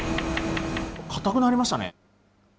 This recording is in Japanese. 硬くなりましたね。